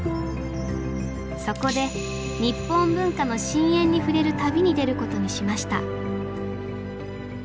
そこで「日本文化の深淵にふれる旅」に出ることにしました